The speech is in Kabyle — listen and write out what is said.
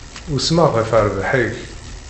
Usmeɣ ɣef rrbeḥ-ik.